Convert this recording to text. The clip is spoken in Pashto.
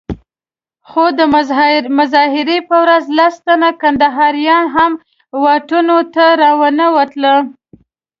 خو د مظاهرې په ورځ لس تنه کنداريان هم واټونو ته راونه وتل.